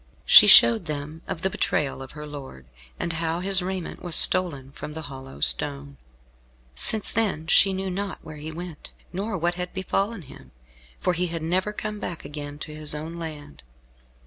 She showed them of the betrayal of her lord, and how his raiment was stolen from the hollow stone. Since then she knew not where he went, nor what had befallen him, for he had never come again to his own land.